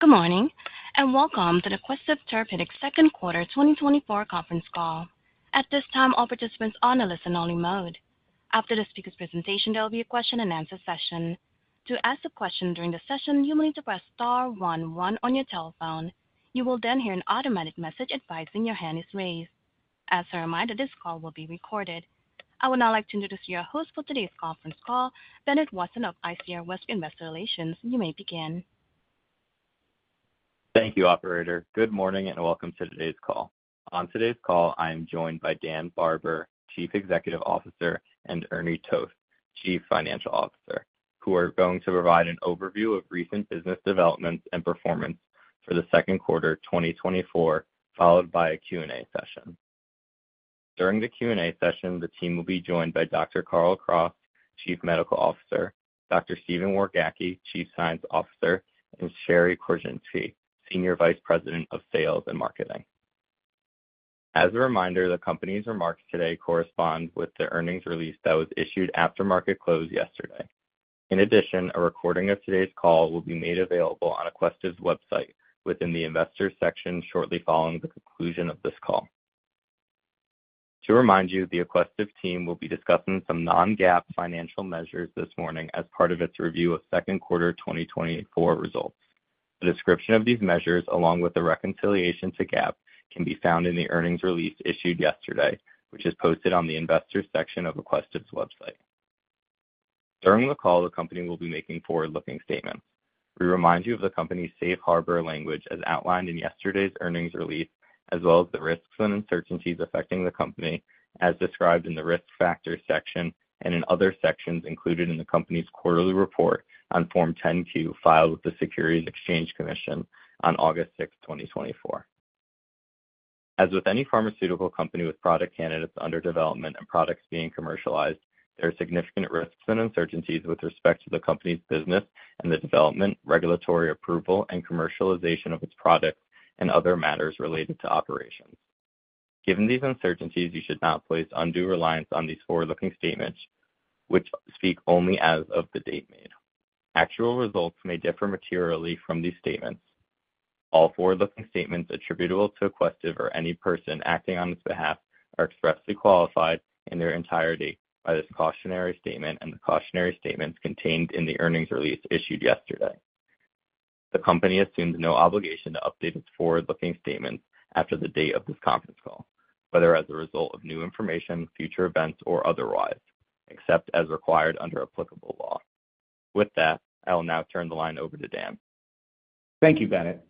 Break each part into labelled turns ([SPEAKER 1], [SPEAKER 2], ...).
[SPEAKER 1] Good morning and welcome to the Aquestive Therapeutics Second Quarter 2024 Conference Call. At this time, all participants are on a listen-only mode. After the speaker's presentation, there will be a question-and-answer session. To ask a question during the session, you will need to press star one one on your telephone. You will then hear an automatic message advising your hand is raised. As a reminder, this call will be recorded. I would now like to introduce your host for today's conference call, Bennett Watson of ICR Westwicke. You may begin.
[SPEAKER 2] Thank you, Operator. Good morning and welcome to today's call. On today's call, I am joined by Dan Barber, Chief Executive Officer, and Ernie Toth, Chief Financial Officer, who are going to provide an overview of recent business developments and performance for the second quarter 2024, followed by a Q&A session. During the Q&A session, the team will be joined by Dr. Carl Kraus, Chief Medical Officer, Dr. Stephen Wargacki, Chief Science Officer, and Sherry Korczynski, Senior Vice President of Sales and Marketing. As a reminder, the company's remarks today correspond with the earnings release that was issued after market close yesterday. In addition, a recording of today's call will be made available on Aquestive's website within the Investor section shortly following the conclusion of this call. To remind you, the Aquestive team will be discussing some non-GAAP financial measures this morning as part of its review of second quarter 2024 results. A description of these measures, along with the reconciliation to GAAP, can be found in the earnings release issued yesterday, which is posted on the Investor section of Aquestive's website. During the call, the company will be making forward-looking statements. We remind you of the company's safe harbor language as outlined in yesterday's earnings release, as well as the risks and uncertainties affecting the company as described in the risk factors section and in other sections included in the company's quarterly report on Form 10-Q filed with the Securities and Exchange Commission on August 6, 2024. As with any pharmaceutical company with product candidates under development and products being commercialized, there are significant risks and uncertainties with respect to the company's business and the development, regulatory approval, and commercialization of its products and other matters related to operations. Given these uncertainties, you should not place undue reliance on these forward-looking statements, which speak only as of the date made. Actual results may differ materially from these statements. All forward-looking statements attributable to Aquestive or any person acting on its behalf are expressly qualified in their entirety by this cautionary statement and the cautionary statements contained in the earnings release issued yesterday. The company assumes no obligation to update its forward-looking statements after the date of this conference call, whether as a result of new information, future events, or otherwise, except as required under applicable law. With that, I will now turn the line over to Dan.
[SPEAKER 3] Thank you, Bennett.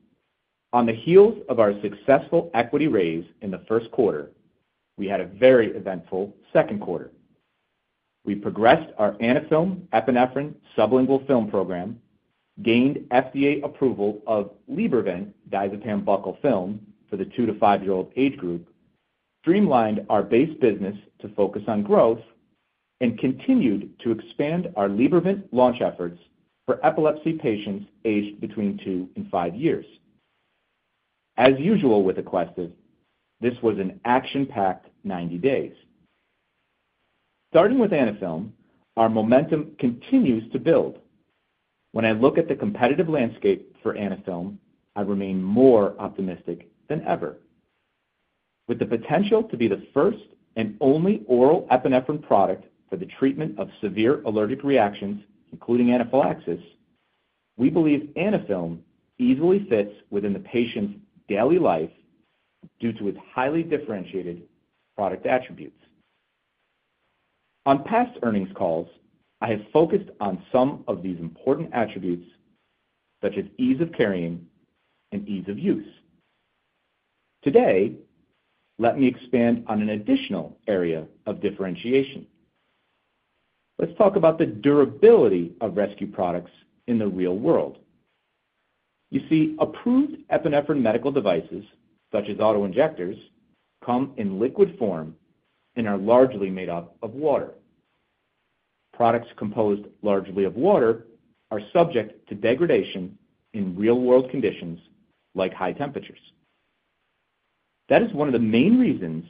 [SPEAKER 3] On the heels of our successful equity raise in the first quarter, we had a very eventful second quarter. We progressed our Anaphylm epinephrine sublingual film program, gained FDA approval of Libervant diazepam buccal film for the two to five-year-old age group, streamlined our base business to focus on growth, and continued to expand our Libervant launch efforts for epilepsy patients aged between two and five years. As usual with Aquestive, this was an action-packed 90 days. Starting with Anaphylm, our momentum continues to build. When I look at the competitive landscape for Anaphylm, I remain more optimistic than ever. With the potential to be the first and only oral epinephrine product for the treatment of severe allergic reactions, including anaphylaxis, we believe Anaphylm easily fits within the patient's daily life due to its highly differentiated product attributes. On past earnings calls, I have focused on some of these important attributes, such as ease of carrying and ease of use. Today, let me expand on an additional area of differentiation. Let's talk about the durability of rescue products in the real world. You see, approved epinephrine medical devices, such as autoinjectors, come in liquid form and are largely made up of water. Products composed largely of water are subject to degradation in real-world conditions like high temperatures. That is one of the main reasons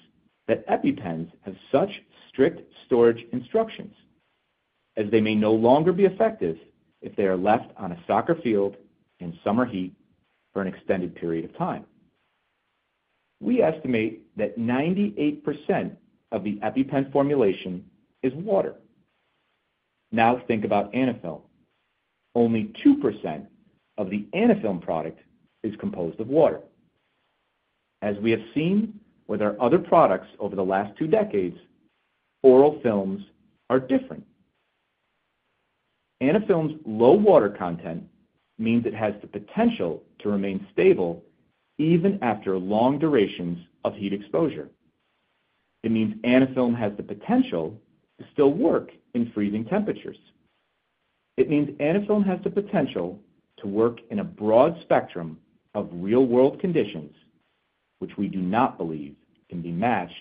[SPEAKER 3] that EpiPens have such strict storage instructions, as they may no longer be effective if they are left on a soccer field in summer heat for an extended period of time. We estimate that 98% of the EpiPen formulation is water. Now think about Anaphylm. Only 2% of the Anaphylm product is composed of water. As we have seen with our other products over the last two decades, oral films are different. Anaphylm's low water content means it has the potential to remain stable even after long durations of heat exposure. It means Anaphylm has the potential to still work in freezing temperatures. It means Anaphylm has the potential to work in a broad spectrum of real-world conditions, which we do not believe can be matched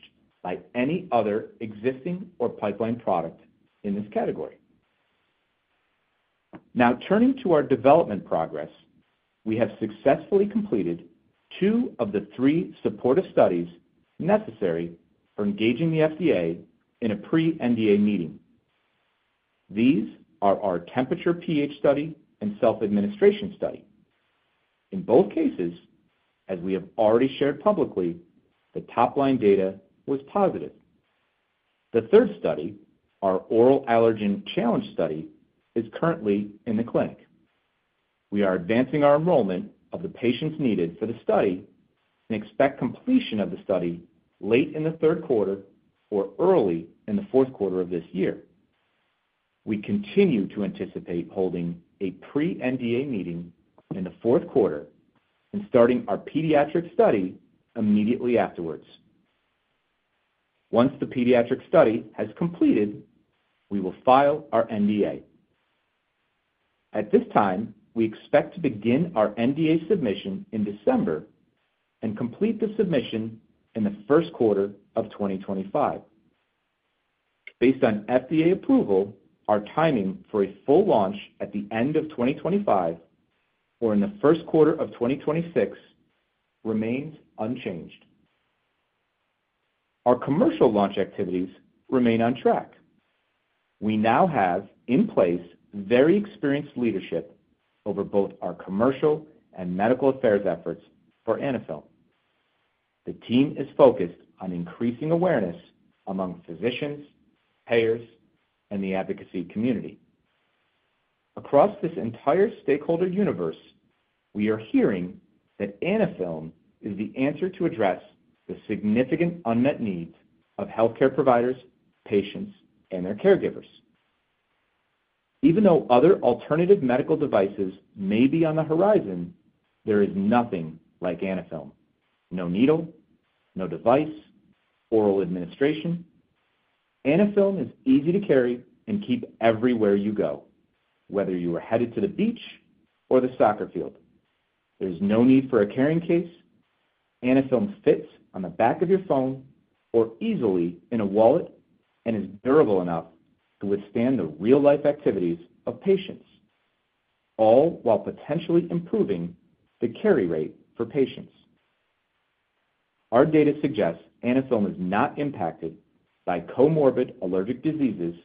[SPEAKER 3] by any other existing or pipeline product in this category. Now, turning to our development progress, we have successfully completed two of the three supportive studies necessary for engaging the FDA in a pre-NDA meeting. These are our temperature pH study and self-administration study. In both cases, as we have already shared publicly, the top-line data was positive. The third study, our oral allergen challenge study, is currently in the clinic. We are advancing our enrollment of the patients needed for the study and expect completion of the study late in the third quarter or early in the fourth quarter of this year. We continue to anticipate holding a Pre-NDA meeting in the fourth quarter and starting our pediatric study immediately afterwards. Once the pediatric study has completed, we will file our NDA. At this time, we expect to begin our NDA submission in December and complete the submission in the first quarter of 2025. Based on FDA approval, our timing for a full launch at the end of 2025 or in the first quarter of 2026 remains unchanged. Our commercial launch activities remain on track. We now have in place very experienced leadership over both our commercial and medical affairs efforts for Anaphylm. The team is focused on increasing awareness among physicians, payers, and the advocacy community. Across this entire stakeholder universe, we are hearing that Anaphylm is the answer to address the significant unmet needs of healthcare providers, patients, and their caregivers. Even though other alternative medical devices may be on the horizon, there is nothing like Anaphylm. No needle, no device, oral administration. Anaphylm is easy to carry and keep everywhere you go, whether you are headed to the beach or the soccer field. There is no need for a carrying case. Anaphylm fits on the back of your phone or easily in a wallet and is durable enough to withstand the real-life activities of patients, all while potentially improving the carry rate for patients. Our data suggests Anaphylm is not impacted by comorbid allergic diseases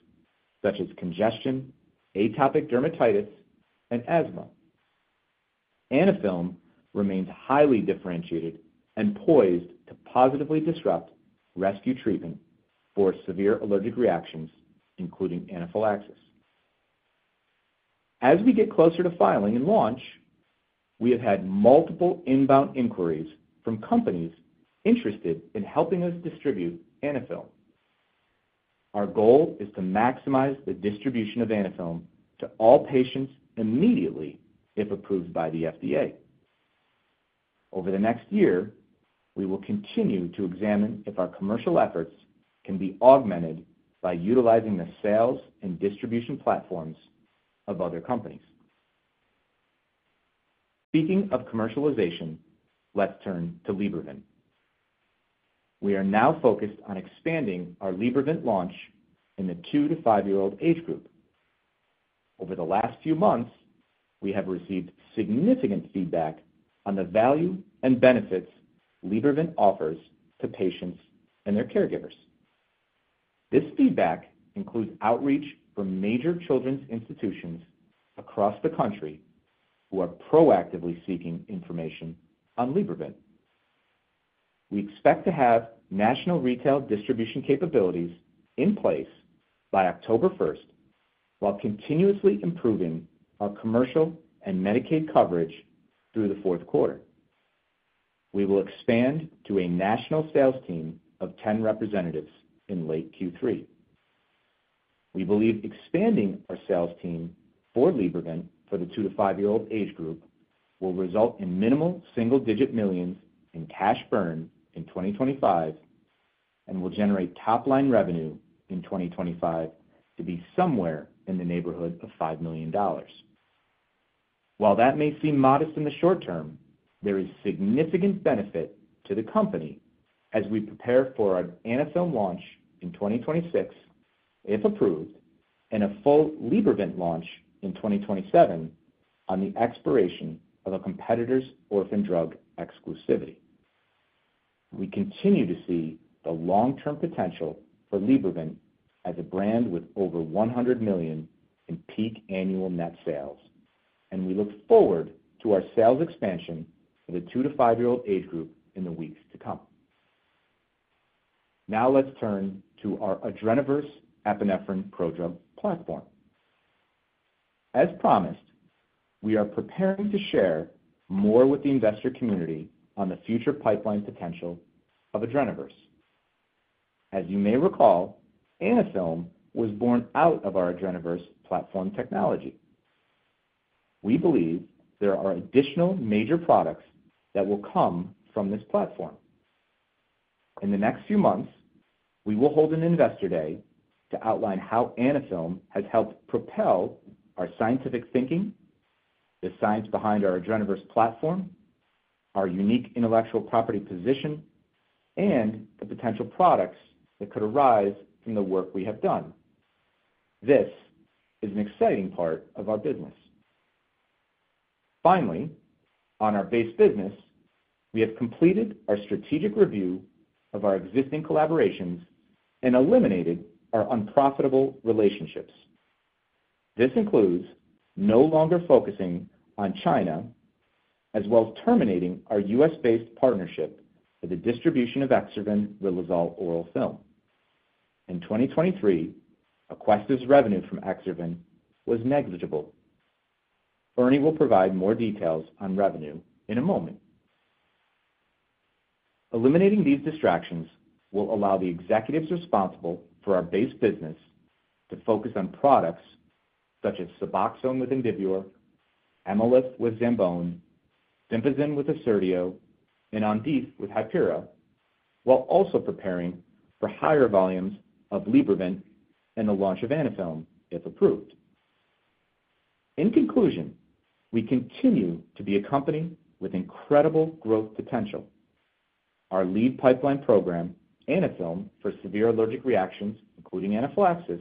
[SPEAKER 3] such as congestion, atopic dermatitis, and asthma. Anaphylm remains highly differentiated and poised to positively disrupt rescue treatment for severe allergic reactions, including anaphylaxis. As we get closer to filing and launch, we have had multiple inbound inquiries from companies interested in helping us distribute Anaphylm. Our goal is to maximize the distribution of Anaphylm to all patients immediately if approved by the FDA. Over the next year, we will continue to examine if our commercial efforts can be augmented by utilizing the sales and distribution platforms of other companies. Speaking of commercialization, let's turn to Libervant. We are now focused on expanding our Libervant launch in the two- to five-year-old age group. Over the last few months, we have received significant feedback on the value and benefits Libervant offers to patients and their caregivers. This feedback includes outreach from major children's institutions across the country who are proactively seeking information on Libervant. We expect to have national retail distribution capabilities in place by October 1st while continuously improving our commercial and Medicaid coverage through the fourth quarter. We will expand to a national sales team of 10 representatives in late Q3. We believe expanding our sales team for Libervant for the two to five-year-old age group will result in minimal single-digit $ millions in cash burn in 2025 and will generate top-line revenue in 2025 to be somewhere in the neighborhood of $5 million. While that may seem modest in the short term, there is significant benefit to the company as we prepare for our Anaphylm launch in 2026, if approved, and a full Libervant launch in 2027 on the expiration of a competitor's orphan drug exclusivity. We continue to see the long-term potential for Libervant as a brand with over $100 million in peak annual net sales, and we look forward to our sales expansion for the two- to five-year-old age group in the weeks to come. Now let's turn to our Adrenoverse epinephrine prodrug platform. As promised, we are preparing to share more with the investor community on the future pipeline potential of Adrenoverse. As you may recall, Anaphylm was born out of our Adrenoverse platform technology. We believe there are additional major products that will come from this platform. In the next few months, we will hold an investor day to outline how Anaphylm has helped propel our scientific thinking, the science behind our Adrenoverse platform, our unique intellectual property position, and the potential products that could arise from the work we have done. This is an exciting part of our business. Finally, on our base business, we have completed our strategic review of our existing collaborations and eliminated our unprofitable relationships. This includes no longer focusing on China, as well as terminating our U.S.-based partnership with the distribution of Exservan riluzole oral film. In 2023, Aquestive's revenue from Exservan was negligible. Ernie will provide more details on revenue in a moment. Eliminating these distractions will allow the executives responsible for our base business to focus on products such as Suboxone with Indivior, Emylif with Zambon, Sympazan with Assertio, and Ondissolve with Hypera, while also preparing for higher volumes of Libervant and the launch of Anaphylm if approved. In conclusion, we continue to be a company with incredible growth potential. Our lead pipeline program, Anaphylm for severe allergic reactions, including anaphylaxis,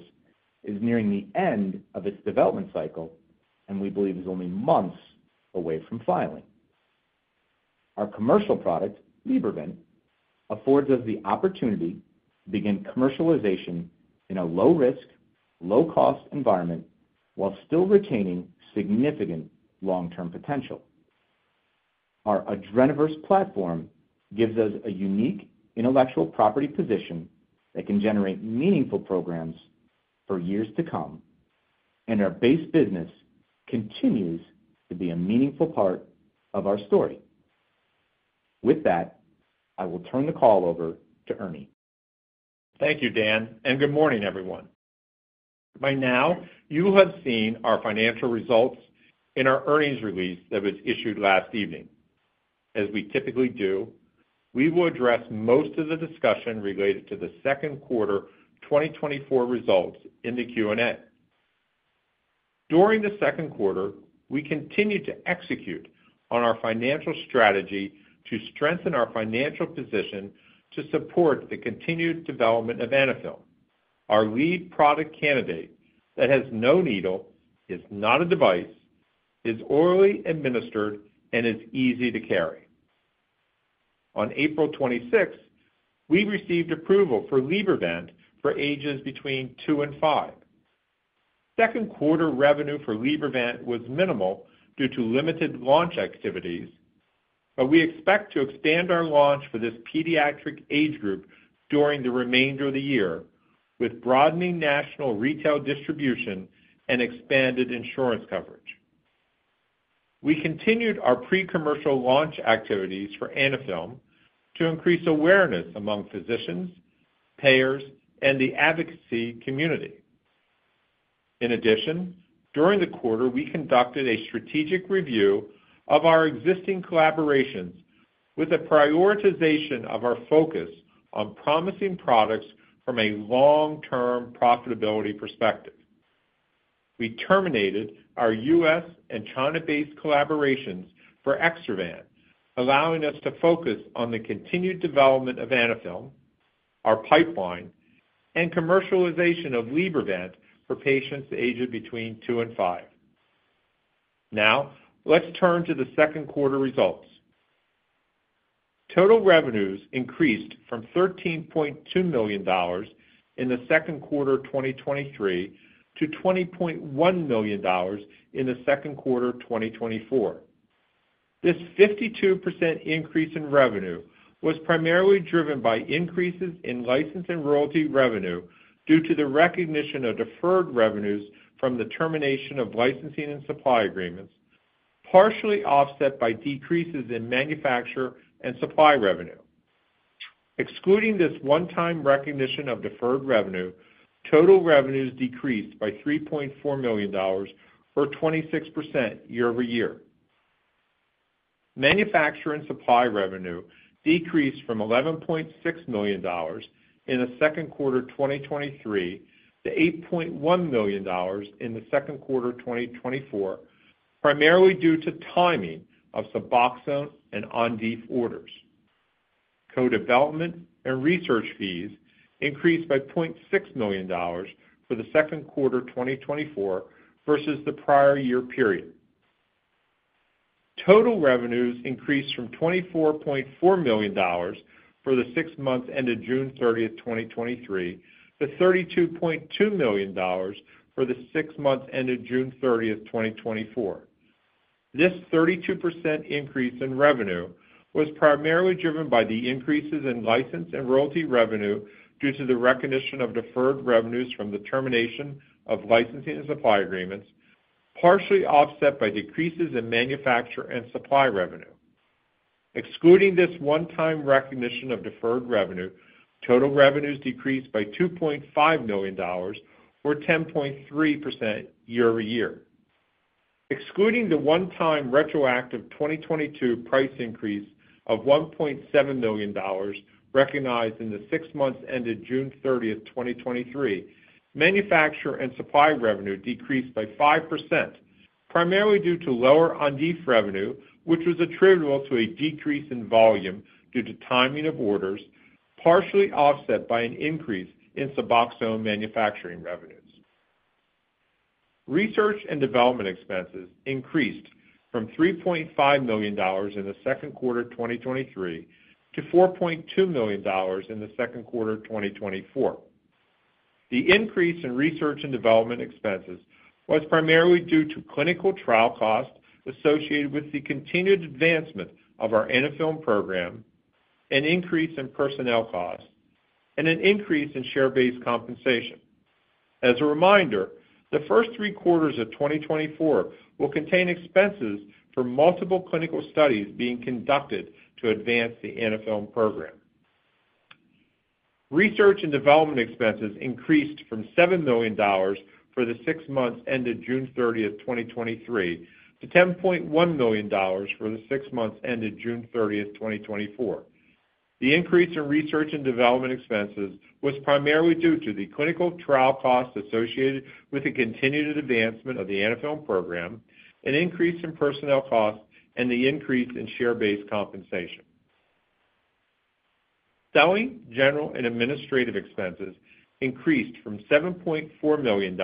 [SPEAKER 3] is nearing the end of its development cycle, and we believe is only months away from filing. Our commercial product, Libervant, affords us the opportunity to begin commercialization in a low-risk, low-cost environment while still retaining significant long-term potential. Our Adrenoverse platform gives us a unique intellectual property position that can generate meaningful programs for years to come, and our base business continues to be a meaningful part of our story. With that, I will turn the call over to Ernie.
[SPEAKER 4] Thank you, Dan, and good morning, everyone. By now, you have seen our financial results in our earnings release that was issued last evening. As we typically do, we will address most of the discussion related to the second quarter 2024 results in the Q&A. During the second quarter, we continue to execute on our financial strategy to strengthen our financial position to support the continued development of Anaphylm. Our lead product candidate that has no needle, is not a device, is orally administered, and is easy to carry. On April 26th, we received approval for Libervant for ages between two and five. Second quarter revenue for Libervant was minimal due to limited launch activities, but we expect to expand our launch for this pediatric age group during the remainder of the year with broadening national retail distribution and expanded insurance coverage. We continued our pre-commercial launch activities for Anaphylm to increase awareness among physicians, payers, and the advocacy community. In addition, during the quarter, we conducted a strategic review of our existing collaborations with a prioritization of our focus on promising products from a long-term profitability perspective. We terminated our U.S. and China-based collaborations for Exservan, allowing us to focus on the continued development of Anaphylm, our pipeline, and commercialization of Libervant for patients aged between two and five. Now, let's turn to the second quarter results. Total revenues increased from $13.2 million in the second quarter 2023 to $20.1 million in the second quarter 2024. This 52% increase in revenue was primarily driven by increases in license and royalty revenue due to the recognition of deferred revenues from the termination of licensing and supply agreements, partially offset by decreases in manufacturer and supply revenue. Excluding this one-time recognition of deferred revenue, total revenues decreased by $3.4 million for 26% year-over-year. Manufacturer and supply revenue decreased from $11.6 million in the second quarter 2023 to $8.1 million in the second quarter 2024, primarily due to timing of Suboxone and Ondissolve orders. Co-development and research fees increased by $0.6 million for the second quarter 2024 versus the prior year period. Total revenues increased from $24.4 million for the six months ended June 30th, 2023, to $32.2 million for the six months ended June 30th, 2024. This 32% increase in revenue was primarily driven by the increases in license and royalty revenue due to the recognition of deferred revenues from the termination of licensing and supply agreements, partially offset by decreases in manufacturer and supply revenue. Excluding this one-time recognition of deferred revenue, total revenues decreased by $2.5 million for 10.3% year-over-year. Excluding the one-time retroactive 2022 price increase of $1.7 million recognized in the six months ended June 30th, 2023, manufacturer and supply revenue decreased by 5%, primarily due to lower Ondissolve revenue, which was attributable to a decrease in volume due to timing of orders, partially offset by an increase in Suboxone manufacturing revenues. Research and development expenses increased from $3.5 million in the second quarter 2023 to $4.2 million in the second quarter 2024. The increase in research and development expenses was primarily due to clinical trial costs associated with the continued advancement of our Anaphylm program, an increase in personnel costs, and an increase in share-based compensation. As a reminder, the first three quarters of 2024 will contain expenses for multiple clinical studies being conducted to advance the Anaphylm program. Research and development expenses increased from $7 million for the six months ended June 30th, 2023, to $10.1 million for the six months ended June 30th, 2024. The increase in research and development expenses was primarily due to the clinical trial costs associated with the continued advancement of the Anaphylm program, an increase in personnel costs, and the increase in share-based compensation. Selling, general, and administrative expenses increased from $7.4 million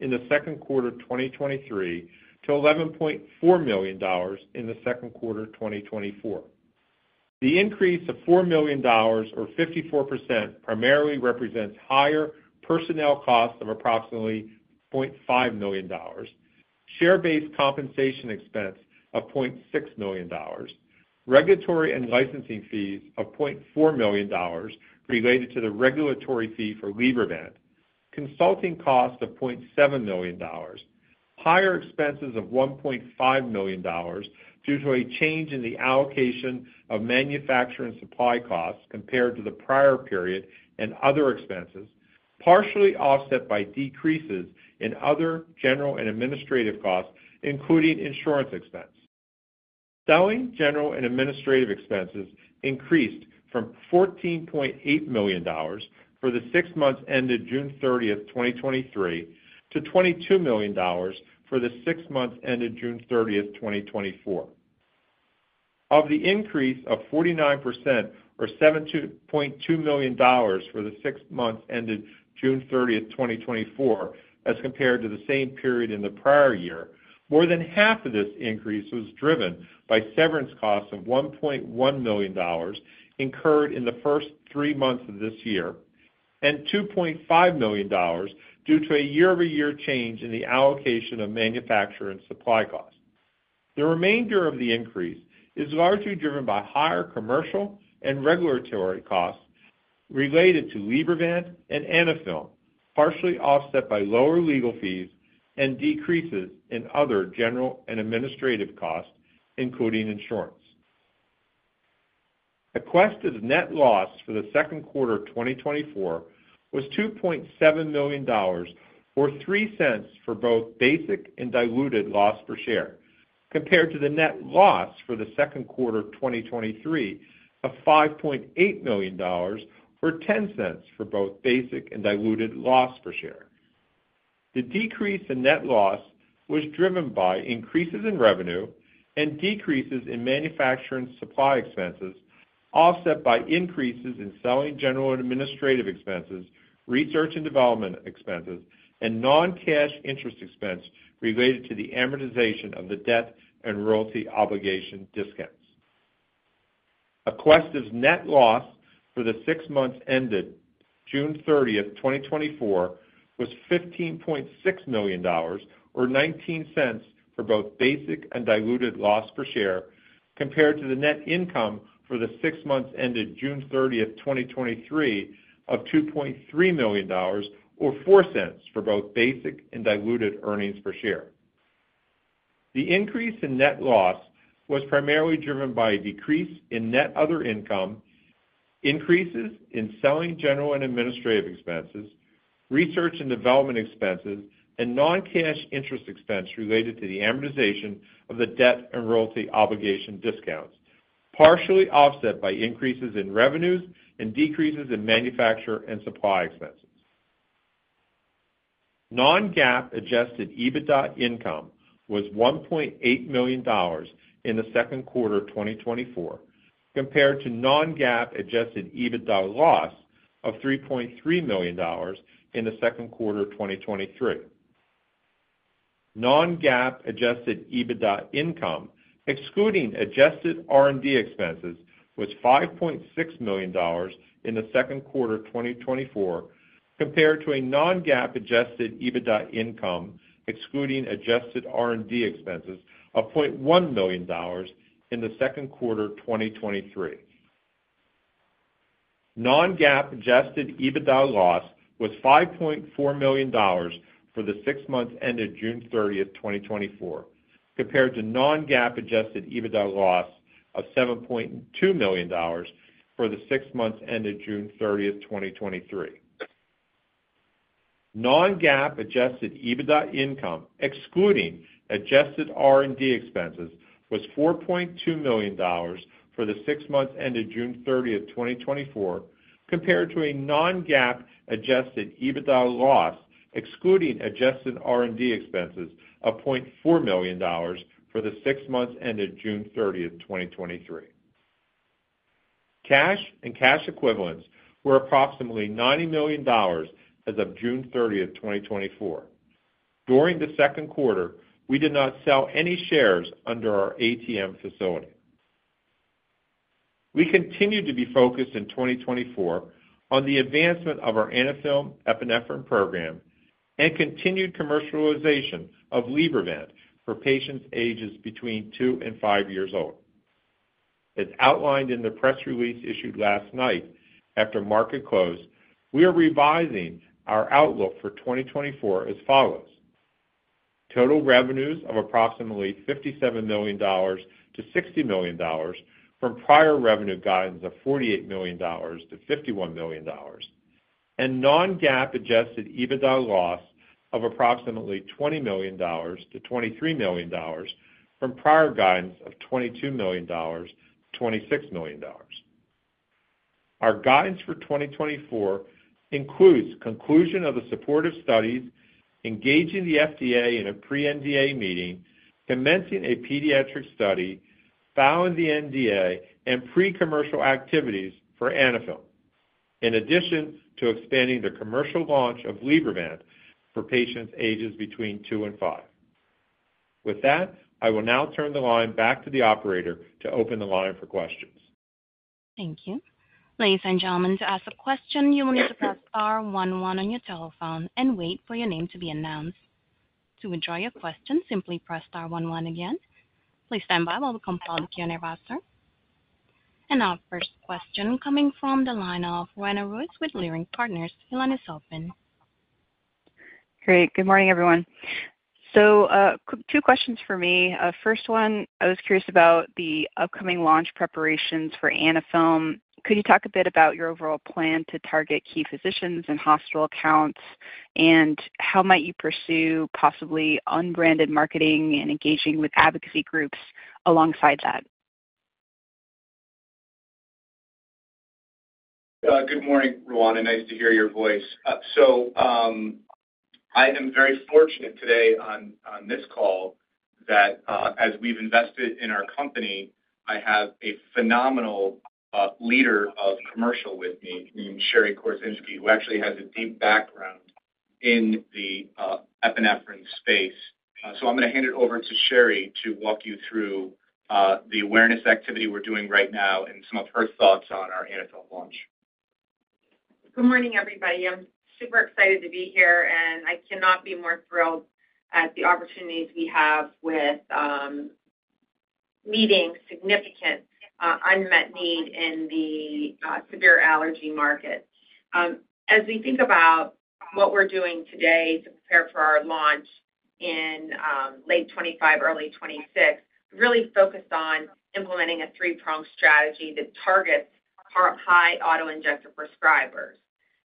[SPEAKER 4] in the second quarter 2023 to $11.4 million in the second quarter 2024. The increase of $4 million, or 54%, primarily represents higher personnel costs of approximately $0.5 million, share-based compensation expense of $0.6 million, regulatory and licensing fees of $0.4 million related to the regulatory fee for Libervant, consulting costs of $0.7 million, higher expenses of $1.5 million due to a change in the allocation of manufacturer and supply costs compared to the prior period and other expenses, partially offset by decreases in other general and administrative costs, including insurance expense. Selling, general, and administrative expenses increased from $14.8 million for the six months ended June 30th, 2023, to $22 million for the six months ended June 30th, 2024. Of the increase of 49%, or $7.2 million for the six months ended June 30th, 2024, as compared to the same period in the prior year, more than half of this increase was driven by severance costs of $1.1 million incurred in the first three months of this year and $2.5 million due to a year-over-year change in the allocation of manufacturer and supply costs. The remainder of the increase is largely driven by higher commercial and regulatory costs related to Libervant and Anaphylm, partially offset by lower legal fees and decreases in other general and administrative costs, including insurance. Aquestive's net loss for the second quarter 2024 was $2.7 million, or $0.03 for both basic and diluted loss per share, compared to the net loss for the second quarter 2023 of $5.8 million, or $0.10 for both basic and diluted loss per share. The decrease in net loss was driven by increases in revenue and decreases in manufacturer and supply expenses, offset by increases in selling, general, and administrative expenses, research and development expenses, and non-cash interest expense related to the amortization of the debt and royalty obligation discounts. Aquestive's net loss for the six months ended June 30th, 2024, was $15.6 million, or $0.19 for both basic and diluted loss per share, compared to the net income for the six months ended June 30th, 2023, of $2.3 million, or $0.04 for both basic and diluted earnings per share. The increase in net loss was primarily driven by a decrease in net other income, increases in selling, general, and administrative expenses, research and development expenses, and non-cash interest expense related to the amortization of the debt and royalty obligation discounts, partially offset by increases in revenues and decreases in manufacturer and supply expenses. Non-GAAP adjusted EBITDA income was $1.8 million in the second quarter 2024, compared to non-GAAP adjusted EBITDA loss of $3.3 million in the second quarter 2023. Non-GAAP adjusted EBITDA income, excluding adjusted R&D expenses, was $5.6 million in the second quarter 2024, compared to a non-GAAP adjusted EBITDA income, excluding adjusted R&D expenses, of $0.1 million in the second quarter 2023. Non-GAAP adjusted EBITDA loss was $5.4 million for the six months ended June 30th, 2024, compared to non-GAAP adjusted EBITDA loss of $7.2 million for the six months ended June 30th, 2023. Non-GAAP adjusted EBITDA income, excluding adjusted R&D expenses, was $4.2 million for the six months ended June 30th, 2024, compared to a non-GAAP adjusted EBITDA loss, excluding adjusted R&D expenses, of $0.4 million for the six months ended June 30th, 2023. Cash and cash equivalents were approximately $90 million as of June 30th, 2024. During the second quarter, we did not sell any shares under our ATM facility. We continued to be focused in 2024 on the advancement of our Anaphylm epinephrine program and continued commercialization of Libervant for patients ages between two and five years old. As outlined in the press release issued last night after market close, we are revising our outlook for 2024 as follows: total revenues of approximately $57 million-$60 million from prior revenue guidance of $48 million-$51 million, and non-GAAP adjusted EBITDA loss of approximately $20 million-$23 million from prior guidance of $22 million-$26 million. Our guidance for 2024 includes conclusion of the supportive studies, engaging the FDA in a pre-NDA meeting, commencing a pediatric study, filing the NDA, and pre-commercial activities for Anaphylm, in addition to expanding the commercial launch of Libervant for patients ages between two and five. With that, I will now turn the line back to the operator to open the line for questions.
[SPEAKER 1] Thank you. Ladies and gentlemen, to ask a question, you will need to press star one one on your telephone and wait for your name to be announced. To withdraw your question, simply press star one one again. Please stand by while we compile the Q&A roster. Our first question coming from the line of Roanna Ruiz with Leerink Partners. The line is open.
[SPEAKER 5] Great. Good morning, everyone. So two questions for me. First one, I was curious about the upcoming launch preparations for Anaphylm. Could you talk a bit about your overall plan to target key physicians and hospital accounts, and how might you pursue possibly unbranded marketing and engaging with advocacy groups alongside that?
[SPEAKER 3] Good morning, Roanna. Nice to hear your voice. So I am very fortunate today on this call that, as we've invested in our company, I have a phenomenal leader of commercial with me named Sherry Korczynski, who actually has a deep background in the epinephrine space. So I'm going to hand it over to Sherry to walk you through the awareness activity we're doing right now and some of her thoughts on our Anaphylm launch.
[SPEAKER 6] Good morning, everybody. I'm super excited to be here, and I cannot be more thrilled at the opportunities we have with meeting significant unmet need in the severe allergy market. As we think about what we're doing today to prepare for our launch in late 2025, early 2026, we're really focused on implementing a three-pronged strategy that targets high autoinjector prescribers.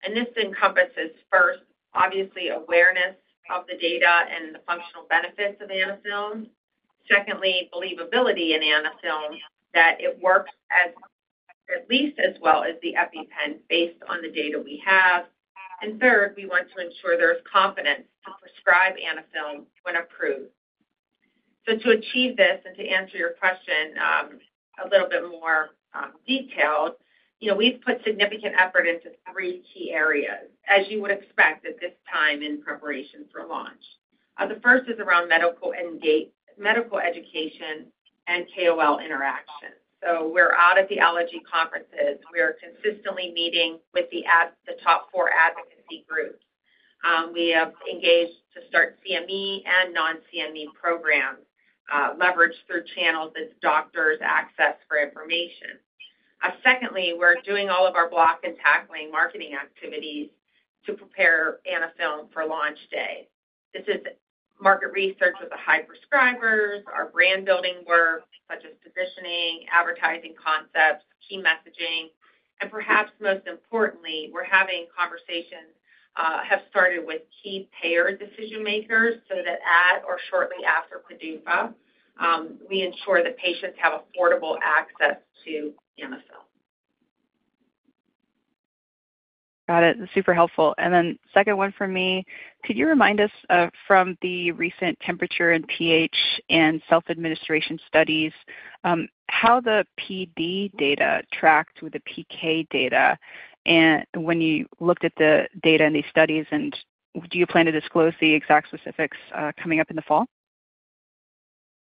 [SPEAKER 6] And this encompasses, first, obviously, awareness of the data and the functional benefits of Anaphylm. Secondly, believability in Anaphylm that it works at least as well as the EpiPen based on the data we have. And third, we want to ensure there's confidence to prescribe Anaphylm when approved. So to achieve this and to answer your question a little bit more detailed, we've put significant effort into three key areas, as you would expect at this time in preparation for launch. The first is around medical education and KOL interaction. So we're out at the allergy conferences. We're consistently meeting with the top four advocacy groups. We have engaged to start CME and non-CME programs, leveraged through channels that doctors access for information. Secondly, we're doing all of our block and tackling marketing activities to prepare Anaphylm for launch day. This is market research with the high prescribers, our brand-building work, such as positioning, advertising concepts, key messaging. And perhaps most importantly, we're having conversations that have started with key payer decision-makers so that at or shortly after PDUFA, we ensure that patients have affordable access to Anaphylm.
[SPEAKER 5] Got it. Super helpful. And then second one for me, could you remind us from the recent temperature and pH and self-administration studies how the PD data tracked with the PK data when you looked at the data and these studies? And do you plan to disclose the exact specifics coming up in the fall?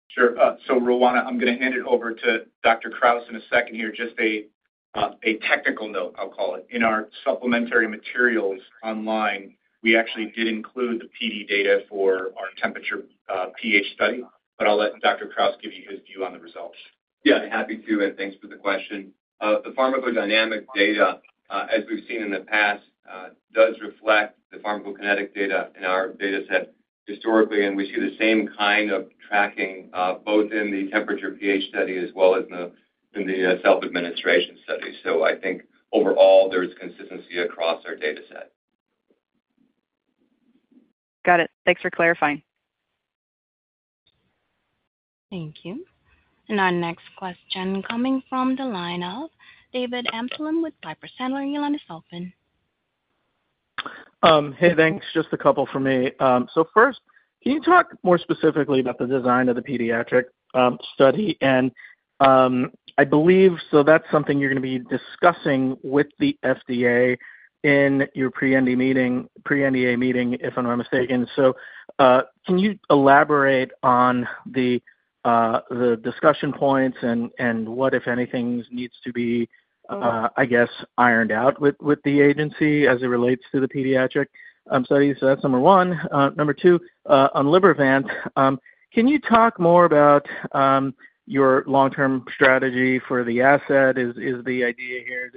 [SPEAKER 3] Sure. So Roanna, I'm going to hand it over to Dr. Kraus in a second here, just a technical note, I'll call it. In our supplementary materials online, we actually did include the PD data for our temperature pH study, but I'll let Dr. Kraus give you his view on the results.
[SPEAKER 7] Yeah, happy to, and thanks for the question. The pharmacodynamic data, as we've seen in the past, does reflect the pharmacokinetic data in our dataset historically, and we see the same kind of tracking both in the temperature pH study as well as in the self-administration study. So I think overall, there's consistency across our dataset.
[SPEAKER 5] Got it. Thanks for clarifying.
[SPEAKER 1] Thank you. And our next question coming from the line of David Amsellem with Piper Sandler. Your line is open.
[SPEAKER 8] Hey, thanks. Just a couple for me. So first, can you talk more specifically about the design of the pediatric study? And I believe so that's something you're going to be discussing with the FDA in your pre-NDA meeting, if I'm not mistaken. So can you elaborate on the discussion points and what, if anything, needs to be, I guess, ironed out with the agency as it relates to the pediatric studies? So that's number one. Number two, on Libervant, can you talk more about your long-term strategy for the asset? Is the idea here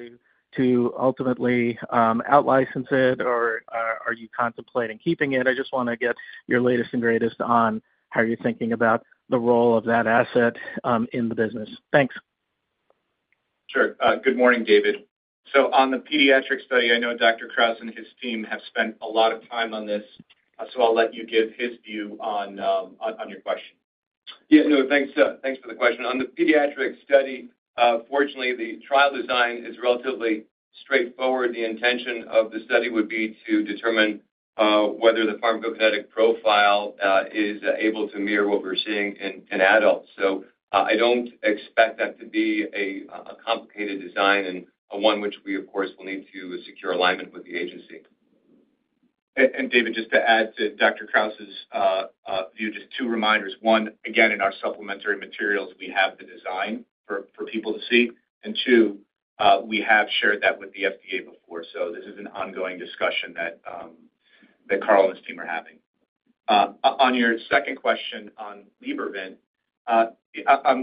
[SPEAKER 8] to ultimately out-license it, or are you contemplating keeping it? I just want to get your latest and greatest on how you're thinking about the role of that asset in the business. Thanks.
[SPEAKER 3] Sure. Good morning, David. So on the pediatric study, I know Dr. Kraus and his team have spent a lot of time on this, so I'll let you give his view on your question. Yeah. No, thanks for the question. On the pediatric study, fortunately, the trial design is relatively straightforward. The intention of the study would be to determine whether the pharmacokinetic profile is able to mirror what we're seeing in adults. So I don't expect that to be a complicated design and one which we, of course, will need to secure alignment with the agency. David, just to add to Dr. Kraus' view, just two reminders. One, again, in our supplementary materials, we have the design for people to see. And two, we have shared that with the FDA before. So this is an ongoing discussion that Carl and his team are having. On your second question on Libervant,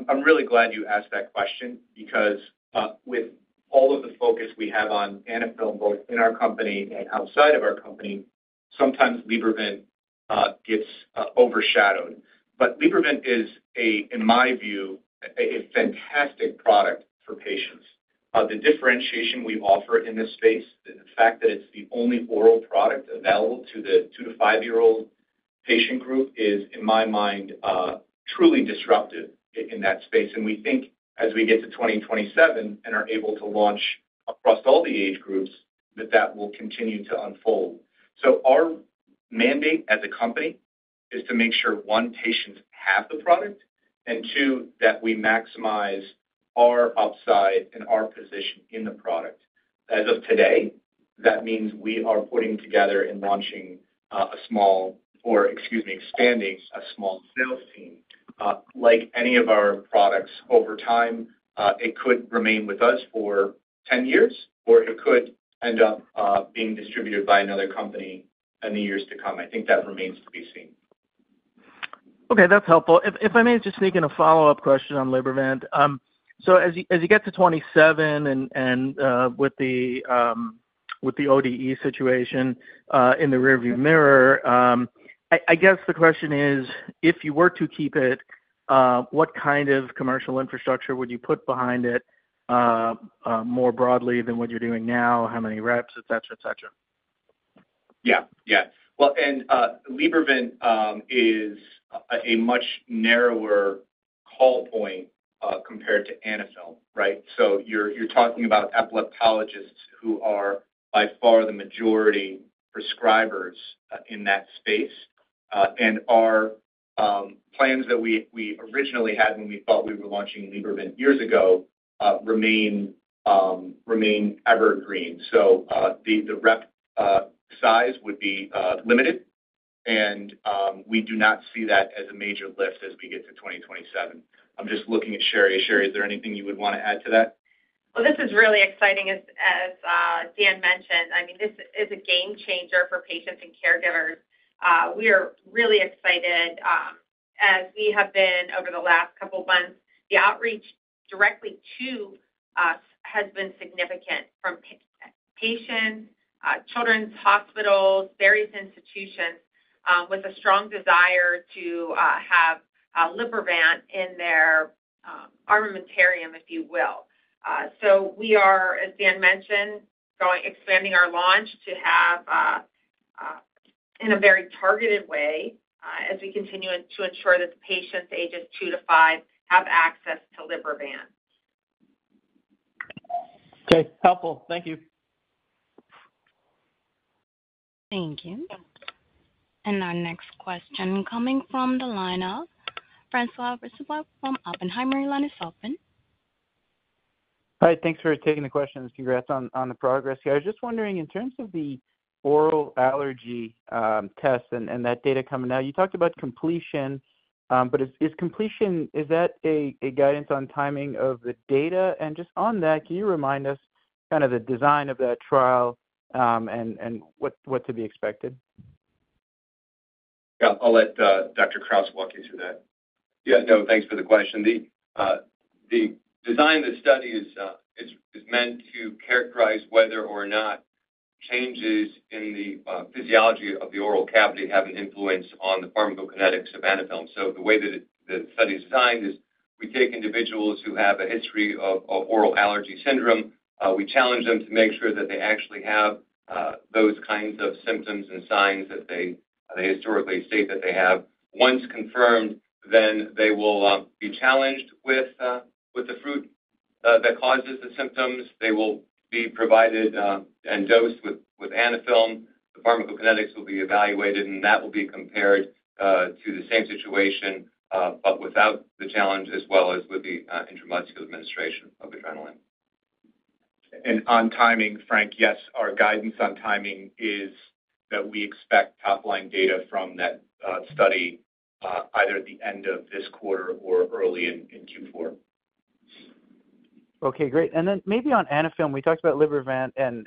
[SPEAKER 3] I'm really glad you asked that question because with all of the focus we have on Anaphylm, both in our company and outside of our company, sometimes Libervant gets overshadowed. But Libervant is, in my view, a fantastic product for patients. The differentiation we offer in this space, the fact that it's the only oral product available to the 2- to 5-year-old patient group is, in my mind, truly disruptive in that space. We think, as we get to 2027 and are able to launch across all the age groups, that that will continue to unfold. So our mandate as a company is to make sure one, patients have the product and two, that we maximize our upside and our position in the product. As of today, that means we are putting together and launching a small, or excuse me, expanding a small sales team. Like any of our products, over time, it could remain with us for 10 years, or it could end up being distributed by another company in the years to come. I think that remains to be seen.
[SPEAKER 8] Okay. That's helpful. If I may, just making a follow-up question on Libervant. So as you get to 2027 and with the ODE situation in the rearview mirror, I guess the question is, if you were to keep it, what kind of commercial infrastructure would you put behind it more broadly than what you're doing now, how many reps, etc., etc.?
[SPEAKER 3] Yeah. Yeah. Well, and Libervant is a much narrower call point compared to Anaphylm, right? So you're talking about epileptologists who are by far the majority prescribers in that space. And our plans that we originally had when we thought we were launching Libervant years ago remain evergreen. So the rep size would be limited, and we do not see that as a major lift as we get to 2027. I'm just looking at Sherry. Sherry, is there anything you would want to add to that?
[SPEAKER 6] Well, this is really exciting, as Dan mentioned. I mean, this is a game changer for patients and caregivers. We are really excited, as we have been over the last couple of months. The outreach directly to us has been significant from patients, children's hospitals, various institutions with a strong desire to have Libervant in their armamentarium, if you will. So we are, as Dan mentioned, expanding our launch in a very targeted way as we continue to ensure that the patients ages two to five have access to Libervant.
[SPEAKER 8] Okay. Helpful. Thank you.
[SPEAKER 1] Thank you. And our next question coming from the line of François Brisebois from Oppenheimer. Your line is open.
[SPEAKER 9] All right. Thanks for taking the questions. Congrats on the progress here. I was just wondering, in terms of the oral allergy test and that data coming out, you talked about completion, but is completion is that a guidance on timing of the data? And just on that, can you remind us kind of the design of that trial and what to be expected?
[SPEAKER 3] Yeah. I'll let Dr. Kraus walk you through that.
[SPEAKER 7] Yeah. No, thanks for the question. The design of the study is meant to characterize whether or not changes in the physiology of the oral cavity have an influence on the pharmacokinetics of Anaphylm. So the way that the study is designed is we take individuals who have a history of Oral Allergy Syndrome. We challenge them to make sure that they actually have those kinds of symptoms and signs that they historically state that they have. Once confirmed, then they will be challenged with the fruit that causes the symptoms. They will be provided and dosed with Anaphylm. The pharmacokinetics will be evaluated, and that will be compared to the same situation but without the challenge as well as with the intramuscular administration of adrenaline. On timing, Frank, yes, our guidance on timing is that we expect top-line data from that study either at the end of this quarter or early in Q4.
[SPEAKER 9] Okay. Great. And then maybe on Anaphylm, we talked about Libervant and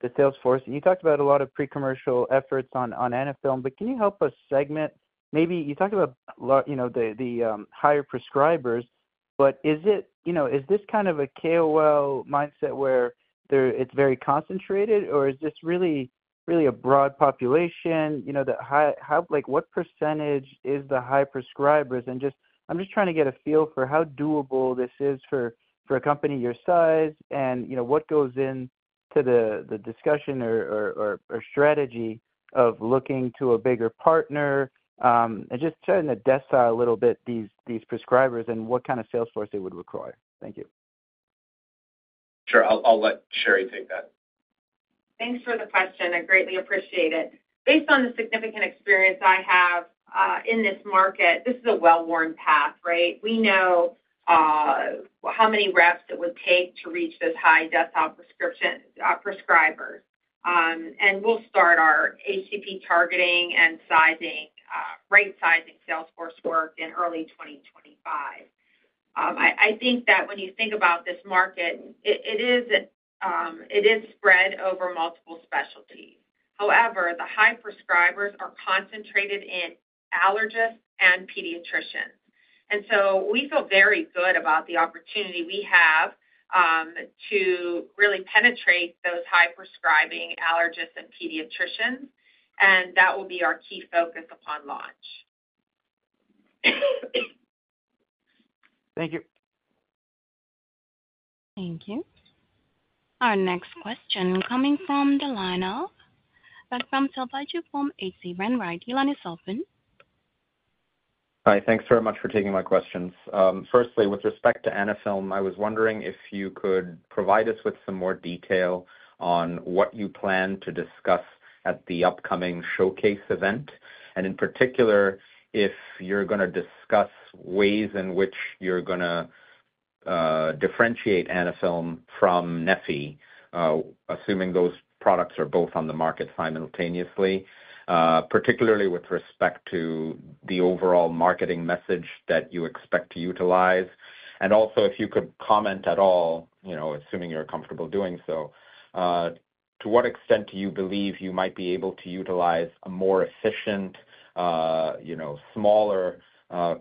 [SPEAKER 9] the salesforce. You talked about a lot of pre-commercial efforts on Anaphylm, but can you help us segment? Maybe you talked about the higher prescribers, but is this kind of a KOL mindset where it's very concentrated, or is this really a broad population? What percentage is the high prescribers? I'm just trying to get a feel for how doable this is for a company your size and what goes into the discussion or strategy of looking to a bigger partner and just trying to desk a little bit these prescribers and what kind of salesforce they would require. Thank you.
[SPEAKER 3] Sure. I'll let Sherry take that.
[SPEAKER 6] Thanks for the question. I greatly appreciate it. Based on the significant experience I have in this market, this is a well-worn path, right? We know how many reps it would take to reach these high decile prescribers. We'll start our HCP targeting and sizing, right-sizing salesforce work in early 2025. I think that when you think about this market, it is spread over multiple specialties. However, the high prescribers are concentrated in allergists and pediatricians. And so we feel very good about the opportunity we have to really penetrate those high prescribing allergists and pediatricians, and that will be our key focus upon launch.
[SPEAKER 9] Thank you.
[SPEAKER 1] Thank you. Our next question coming from the line of [Ram]. Your line is open.
[SPEAKER 10] Hi. Thanks very much for taking my questions. Firstly, with respect to Anaphylm, I was wondering if you could provide us with some more detail on what you plan to discuss at the upcoming showcase event, and in particular, if you're going to discuss ways in which you're going to differentiate Anaphylm from neffy, assuming those products are both on the market simultaneously, particularly with respect to the overall marketing message that you expect to utilize. And also, if you could comment at all, assuming you're comfortable doing so, to what extent do you believe you might be able to utilize a more efficient, smaller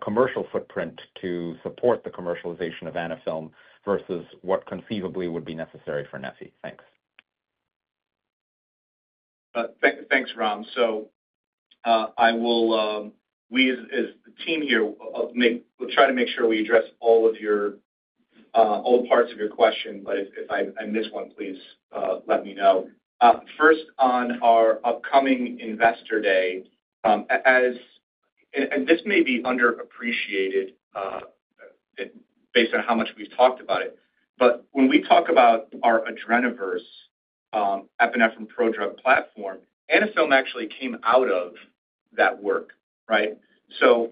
[SPEAKER 10] commercial footprint to support the commercialization of Anaphylm versus what conceivably would be necessary for neffy? Thanks.
[SPEAKER 3] Thanks, Ram. So we, as the team here, will try to make sure we address all parts of your question, but if I miss one, please let me know. First, on our upcoming investor day, and this may be underappreciated based on how much we've talked about it, but when we talk about our Adrenoverse epinephrine prodrug platform, Anaphylm actually came out of that work, right? So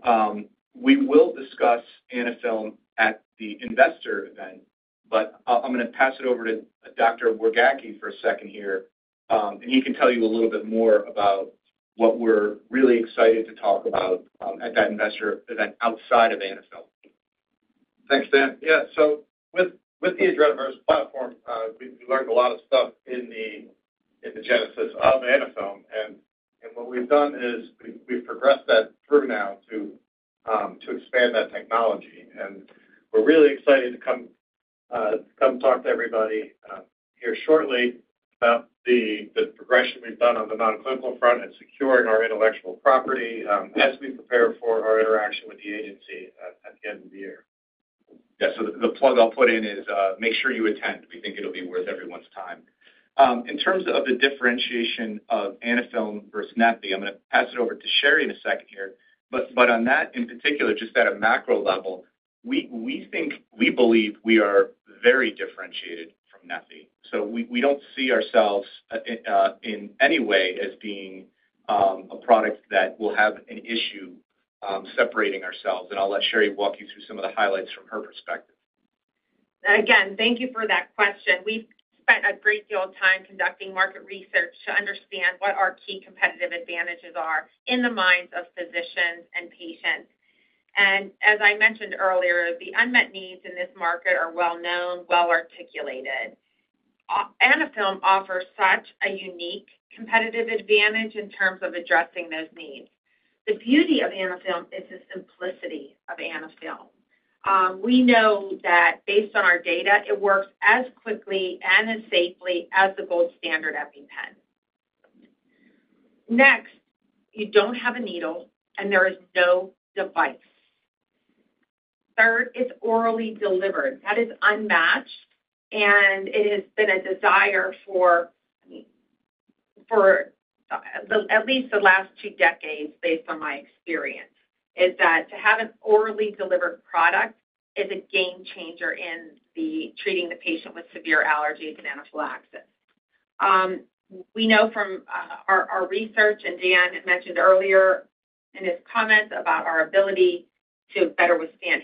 [SPEAKER 3] we will discuss Anaphylm at the investor event, but I'm going to pass it over to Dr. Wargacki for a second here, and he can tell you a little bit more about what we're really excited to talk about at that investor event outside of Anaphylm.
[SPEAKER 11] Thanks, Dan. Yeah. So with the Adrenoverse platform, we learned a lot of stuff in the genesis of Anaphylm, and what we've done is we've progressed that through now to expand that technology. And we're really excited to come talk to everybody here shortly about the progression we've done on the nonclinical front and securing our intellectual property as we prepare for our interaction with the agency at the end of the year. Yeah. So the plug I'll put in is make sure you attend. We think it'll be worth everyone's time. In terms of the differentiation of Anaphylm versus neffy, I'm going to pass it over to Sherry in a second here. But on that in particular, just at a macro level, we believe we are very differentiated from neffy. So we don't see ourselves in any way as being a product that will have an issue separating ourselves. And I'll let Sherry walk you through some of the highlights from her perspective.
[SPEAKER 6] Again, thank you for that question. We've spent a great deal of time conducting market research to understand what our key competitive advantages are in the minds of physicians and patients. And as I mentioned earlier, the unmet needs in this market are well-known, well-articulated. Anaphylm offers such a unique competitive advantage in terms of addressing those needs. The beauty of Anaphylm is the simplicity of Anaphylm. We know that based on our data, it works as quickly and as safely as the gold standard EpiPen. Next, you don't have a needle, and there is no device. Third, it's orally delivered. That is unmatched, and it has been a desire for at least the last two decades, based on my experience, is that to have an orally delivered product is a game changer in treating the patient with severe allergies and anaphylaxis. We know from our research, and Dan mentioned earlier in his comments about our ability to better withstand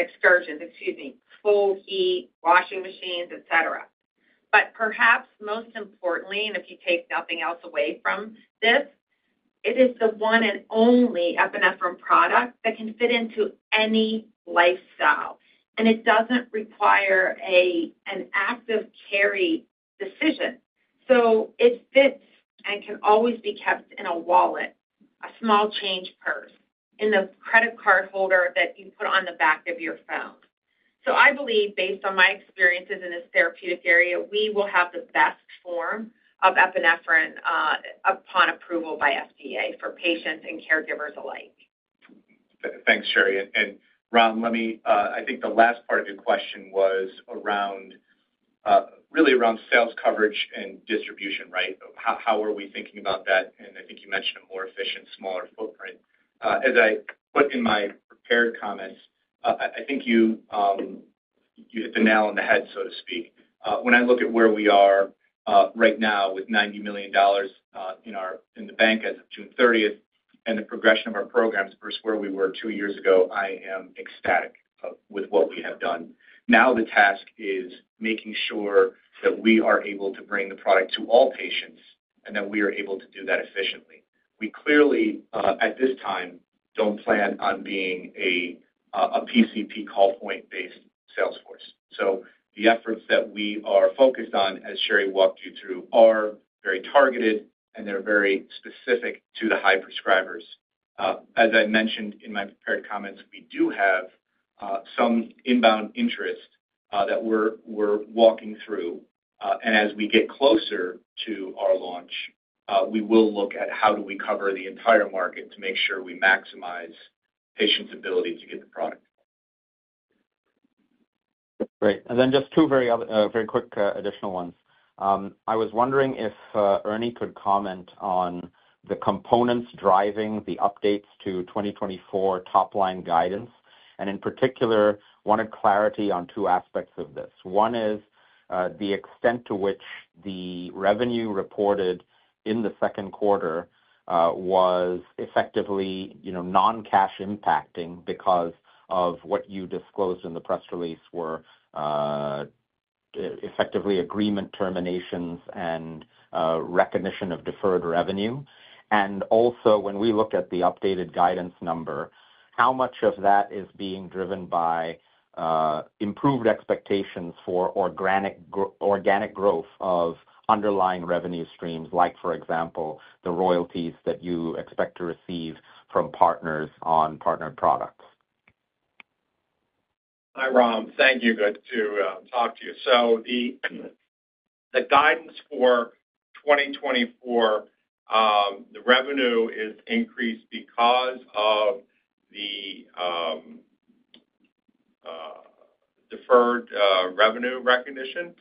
[SPEAKER 6] excursions, excuse me, cold heat, washing machines, etc. But perhaps most importantly, and if you take nothing else away from this, it is the one and only epinephrine product that can fit into any lifestyle, and it doesn't require an active carry decision. So it fits and can always be kept in a wallet, a small change purse, in the credit card holder that you put on the back of your phone. So I believe, based on my experiences in this therapeutic area, we will have the best form of epinephrine upon approval by FDA for patients and caregivers alike.
[SPEAKER 3] Thanks, Sherry. And, Ram, I think the last part of your question was really around sales coverage and distribution, right? How are we thinking about that? And I think you mentioned a more efficient, smaller footprint. As I put in my prepared comments, I think you hit the nail on the head, so to speak. When I look at where we are right now with $90 million in the bank as of June 30th and the progression of our programs versus where we were two years ago, I am ecstatic with what we have done. Now the task is making sure that we are able to bring the product to all patients and that we are able to do that efficiently. We clearly, at this time, don't plan on being a PCP call point-based salesforce. So the efforts that we are focused on, as Sherry walked you through, are very targeted, and they're very specific to the high prescribers. As I mentioned in my prepared comments, we do have some inbound interest that we're walking through. And as we get closer to our launch, we will look at how do we cover the entire market to make sure we maximize patients' ability to get the product. Great.
[SPEAKER 10] And then just two very quick additional ones. I was wondering if Ernie could comment on the components driving the updates to 2024 top-line guidance, and in particular, wanted clarity on two aspects of this. One is the extent to which the revenue reported in the second quarter was effectively non-cash impacting because of what you disclosed in the press release were effectively agreement terminations and recognition of deferred revenue. And also, when we look at the updated guidance number, how much of that is being driven by improved expectations for organic growth of underlying revenue streams, like, for example, the royalties that you expect to receive from partners on partnered products?
[SPEAKER 3] Hi, Ram. Thank you. Good to talk to you. So the guidance for 2024, the revenue is increased because of the deferred revenue recognition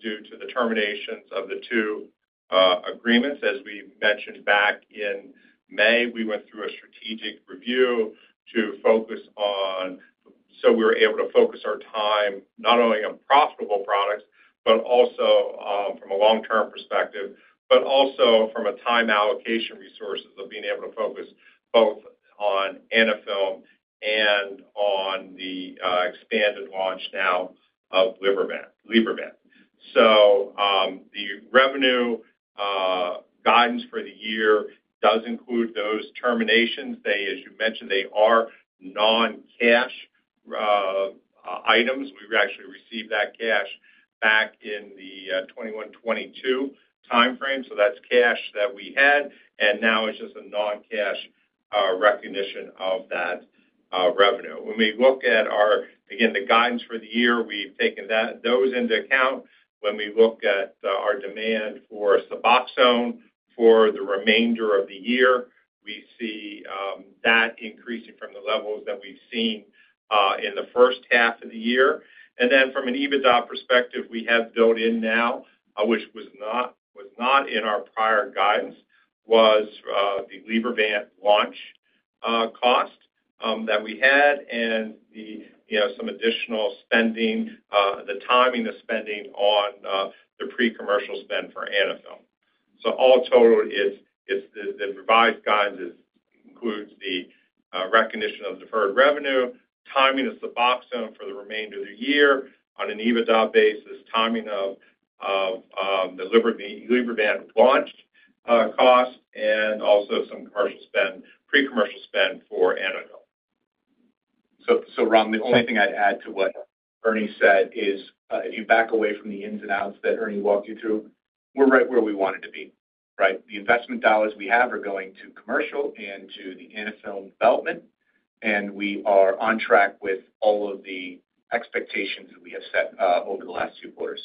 [SPEAKER 3] due to the terminations of the two agreements. As we mentioned back in May, we went through a strategic review to focus on so we were able to focus our time not only on profitable products from a long-term perspective but also from a time allocation resources of being able to focus both on Anaphylm and on the expanded launch now of Libervant. So the revenue guidance for the year does include those terminations. As you mentioned, they are non-cash items. We actually received that cash back in the 2021-2022 timeframe. So that's cash that we had, and now it's just a non-cash recognition of that revenue. When we look at, again, the guidance for the year, we've taken those into account. When we look at our demand for Suboxone for the remainder of the year, we see that increasing from the levels that we've seen in the first half of the year. And then from an EBITDA perspective, we have built in now, which was not in our prior guidance, was the Libervant launch cost that we had and some additional spending, the timing of spending on the pre-commercial spend for Anaphylm. So all totaled, the revised guidance includes the recognition of deferred revenue, timing of Suboxone for the remainder of the year on an EBITDA basis, timing of the Libervant launch cost, and also some pre-commercial spend for Anaphylm. So, Ram, the only thing I'd add to what Ernie said is if you back away from the ins and outs that Ernie walked you through, we're right where we wanted to be, right? The investment dollars we have are going to commercial and to the Anaphylm development, and we are on track with all of the expectations that we have set over the last two quarters.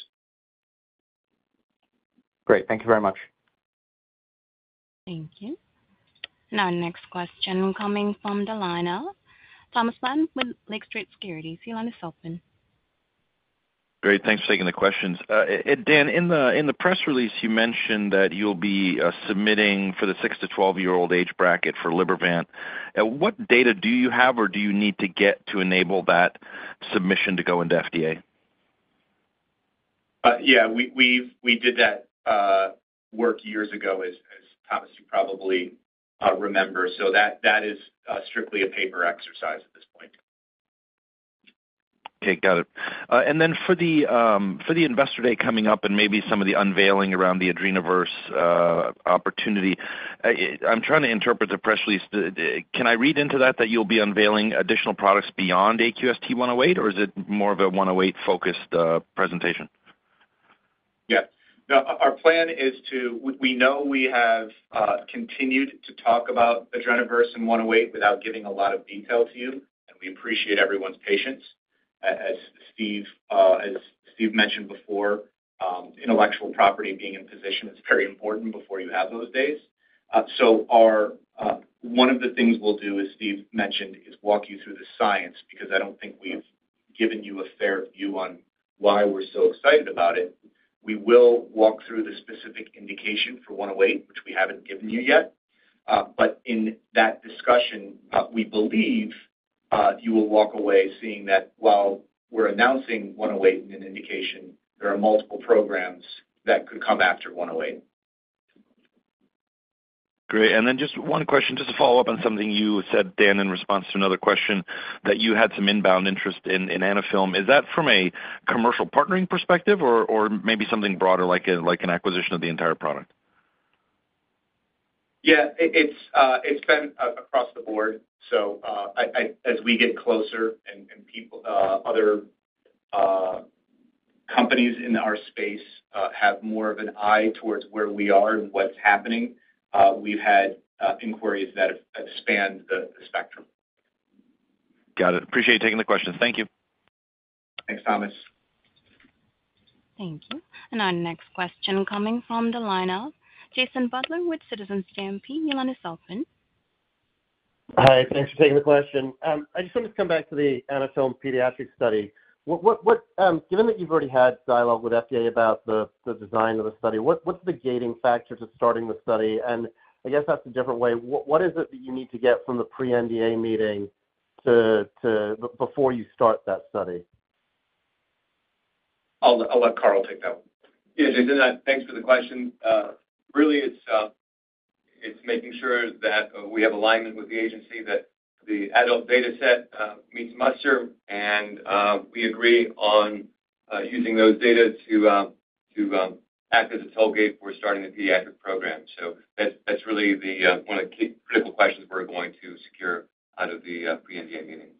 [SPEAKER 10] Great. Thank you very much.
[SPEAKER 1] Thank you. Now, next question coming from the line of Thomas Flaten with Lake Street Securities. Your line is open.
[SPEAKER 12] Great. Thanks for taking the questions. Dan, in the press release, you mentioned that you'll be submitting for the 6-12-year-old age bracket for Libervant. What data do you have or do you need to get to enable that submission to the FDA?
[SPEAKER 3] Yeah. We did that work years ago, as, Thomas, you probably remember. So that is strictly a paper exercise at this point.
[SPEAKER 12] Okay. Got it. And then for the investor day coming up and maybe some of the unveiling around the Adrenoverse opportunity, I'm trying to interpret the press release. Can I read into that that you'll be unveiling additional products beyond AQST-108, or is it more of a 108-focused presentation?
[SPEAKER 3] Yes. Our plan is, we know we have continued to talk about Adrenoverse and 108 without giving a lot of detail to you, and we appreciate everyone's patience. As Steve mentioned before, intellectual property being in position is very important before you have those days. So one of the things we'll do, as Steve mentioned, is walk you through the science because I don't think we've given you a fair view on why we're so excited about it. We will walk through the specific indication for 108, which we haven't given you yet. But in that discussion, we believe you will walk away seeing that while we're announcing 108 and an indication, there are multiple programs that could come after 108.
[SPEAKER 12] Great. And then just one question, just to follow up on something you said, Dan, in response to another question, that you had some inbound interest in Anaphylm. Is that from a commercial partnering perspective or maybe something broader, like an acquisition of the entire product?
[SPEAKER 3] Yeah. It's been across the board. So as we get closer and other companies in our space have more of an eye towards where we are and what's happening, we've had inquiries that have spanned the spectrum.
[SPEAKER 12] Got it. Appreciate you taking the question. Thank you.
[SPEAKER 3] Thanks, Thomas.
[SPEAKER 1] Thank you. And our next question coming from the line of Jason Butler with Citizens JMP. Your line is open.
[SPEAKER 13] Hi. Thanks for taking the question. I just wanted to come back to the Anaphylm pediatric study. Given that you've already had dialogue with FDA about the design of the study, what's the gating factor to starting the study? And I guess that's a different way. What is it that you need to get from the pre-NDA meeting before you start that study?
[SPEAKER 3] I'll let Carl take that one.
[SPEAKER 7] Yeah, Jason, thanks for the question. Really, it's making sure that we have alignment with the agency, that the adult data set meets muster, and we agree on using those data to act as a tollgate for starting the pediatric program. So that's really one of the critical questions we're going to secure out of the pre-NDA meeting.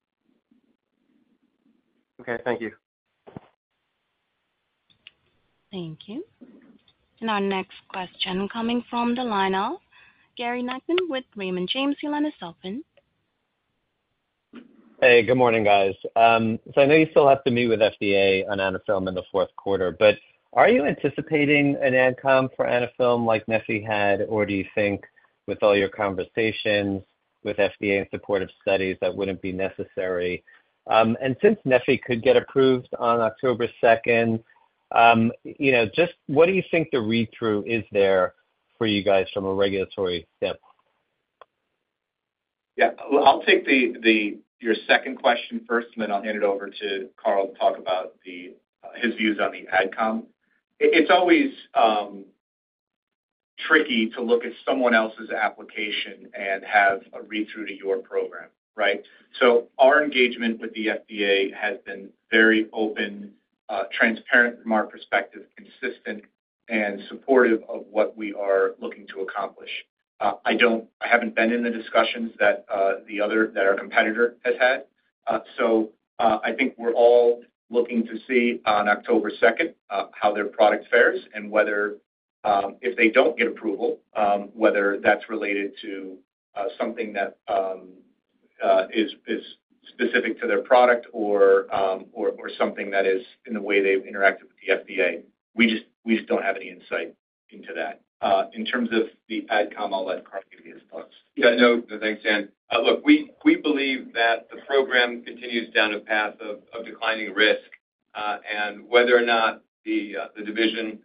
[SPEAKER 13] Okay. Thank you.
[SPEAKER 7] Thank you. And our next question coming from the line of Gary Nachman with Raymond James. Your line is open.
[SPEAKER 14] Hey, good morning, guys. So I know you still have to meet with FDA on Anaphylm in the fourth quarter, but are you anticipating an AdCom for Anaphylm like neffy had, or do you think with all your conversations with FDA and supportive studies that wouldn't be necessary? And since neffy could get approved on October 2nd, just what do you think the read-through is there for you guys from a regulatory standpoint?
[SPEAKER 3] Yeah. I'll take your second question first, and then I'll hand it over to Carl to talk about his views on the AdCom. It's always tricky to look at someone else's application and have a read-through to your program, right? So our engagement with the FDA has been very open, transparent from our perspective, consistent, and supportive of what we are looking to accomplish. I haven't been in the discussions that our competitor has had. So I think we're all looking to see on October 2nd how their product fares and if they don't get approval, whether that's related to something that is specific to their product or something that is in the way they've interacted with the FDA. We just don't have any insight into that. In terms of the AdCom, I'll let Carl give you his thoughts.
[SPEAKER 7] Yeah. No, thanks, Dan. Look, we believe that the program continues down a path of declining risk, and whether or not the division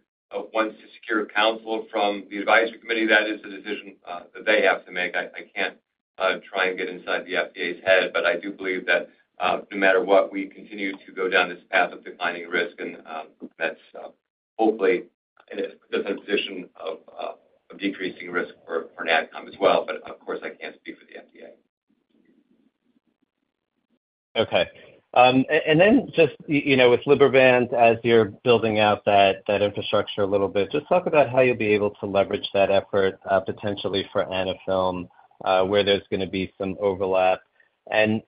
[SPEAKER 7] wants to secure counsel from the advisory committee, that is a decision that they have to make. I can't try and get inside the FDA's head, but I do believe that no matter what, we continue to go down this path of declining risk, and that's hopefully in a position of decreasing risk for an AdCom as well. But of course, I can't speak for the FDA.
[SPEAKER 14] Okay. And then just with Libervant, as you're building out that infrastructure a little bit, just talk about how you'll be able to leverage that effort potentially for Anaphylm where there's going to be some overlap.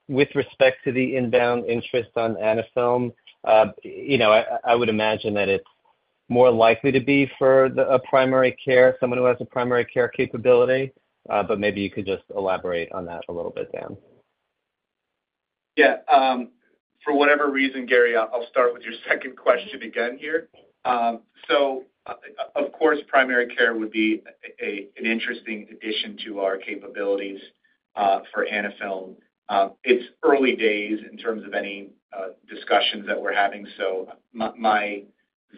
[SPEAKER 14] With respect to the inbound interest on Anaphylm, I would imagine that it's more likely to be for a primary care, someone who has a primary care capability, but maybe you could just elaborate on that a little bit, Dan.
[SPEAKER 3] Yeah. For whatever reason, Gary, I'll start with your second question again here. So of course, primary care would be an interesting addition to our capabilities for Anaphylm. It's early days in terms of any discussions that we're having, so my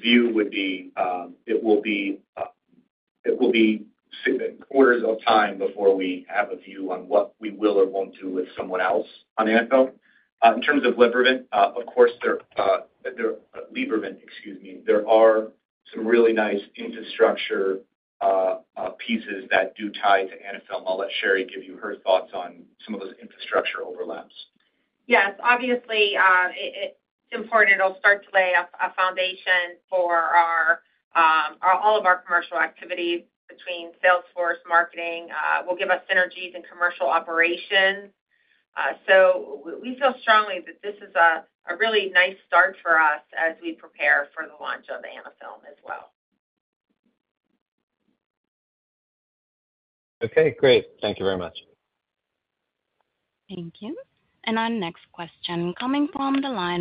[SPEAKER 3] view would be it will be quarters of time before we have a view on what we will or won't do with someone else on Anaphylm. In terms of Libervant, excuse me, there are some really nice infrastructure pieces that do tie to Anaphylm. I'll let Sherry give you her thoughts on some of those infrastructure overlaps.
[SPEAKER 6] Yes. Obviously, it's important it'll start to lay a foundation for all of our commercial activities between sales force, marketing. It will give us synergies in commercial operations. So we feel strongly that this is a really nice start for us as we prepare for the launch of Anaphylm as well.
[SPEAKER 14] Okay. Great. Thank you very much.
[SPEAKER 1] Thank you. And our next question coming from the line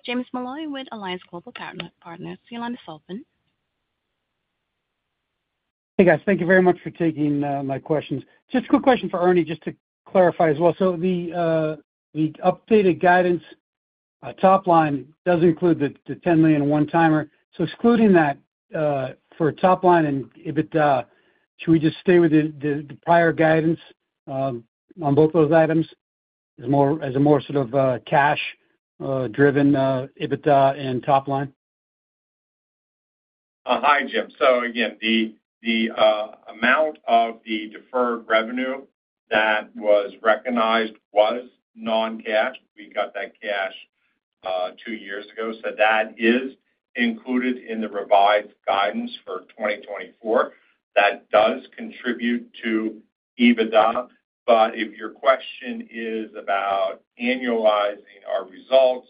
[SPEAKER 1] of James Molloy with Alliance Global Partners. Your line is open.
[SPEAKER 15] Hey, guys. Thank you very much for taking my questions. Just a quick question for Ernie just to clarify as well. So the updated guidance top line does include the $10 million one-timer. So excluding that for top line and EBITDA, should we just stay with the prior guidance on both those items as a more sort of cash-driven EBITDA and top line?
[SPEAKER 4] Hi, Jim. So again, the amount of the deferred revenue that was recognized was non-cash. We got that cash two years ago. So that is included in the revised guidance for 2024. That does contribute to EBITDA. But if your question is about annualizing our results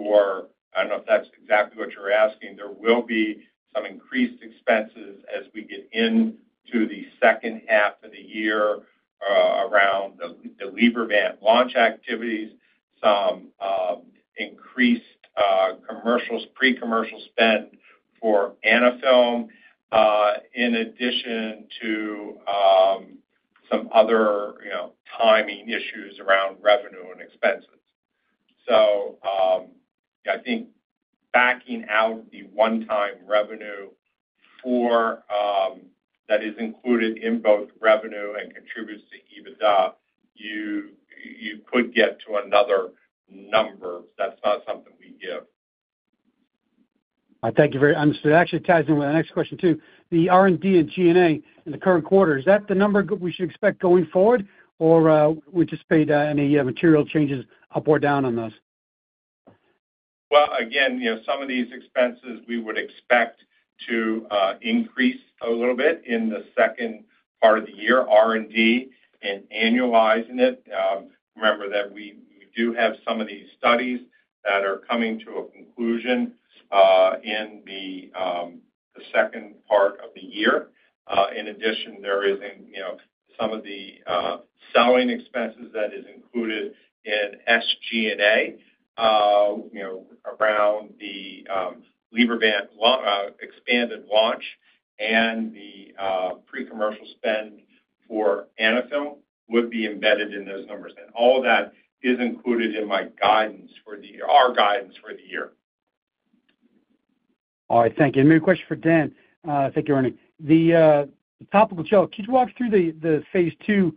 [SPEAKER 4] or I don't know if that's exactly what you're asking, there will be some increased expenses as we get into the second half of the year around the Libervant launch activities, some increased pre-commercial spend for Anaphylm, in addition to some other timing issues around revenue and expenses. So I think backing out the one-time revenue that is included in both revenue and contributes to EBITDA, you could get to another number. That's not something we give.
[SPEAKER 15] I thank you very much. This actually ties in with my next question too. The R&D and G&A in the current quarter, is that the number we should expect going forward, or would you expect any material changes up or down on those?
[SPEAKER 4] Well, again, some of these expenses we would expect to increase a little bit in the second part of the year, R&D and annualizing it. Remember that we do have some of these studies that are coming to a conclusion in the second part of the year. In addition, there is some of the selling expenses that are included in SG&A around the Libervant expanded launch and the pre-commercial spend for Anaphylm would be embedded in those numbers. And all of that is included in our guidance for the year.
[SPEAKER 15] All right. Thank you. And maybe a question for Dan. Thank you, Ernie. The topical gel, could you walk through the Phase II